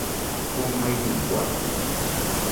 Komaijɨ guate